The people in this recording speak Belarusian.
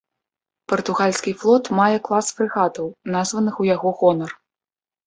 Партугальскі флот мае клас фрэгатаў, названых у яго гонар.